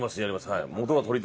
はい。